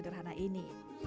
ke warung sederhana ini